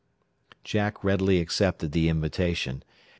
Jack readily accepted the invitation.